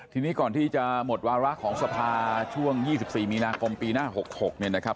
ทีนี้ก่อนที่จะหมดวาระของสภาช่วง๒๔มีนาคมปีหน้า๖๖เนี่ยนะครับ